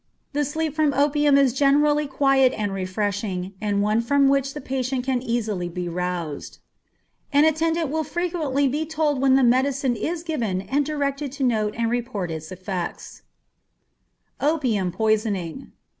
The sleep from opium is generally quiet and refreshing, and one from which the patient can be easily aroused. An attendant will frequently be told when the medicine is given and directed to note and report its effect. _Opium Poisoning.